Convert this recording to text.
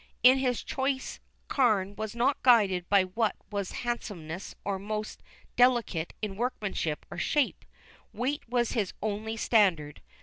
In his choice Carne was not guided by what was handsomest or most delicate in workmanship or shape. Weight was his only standard.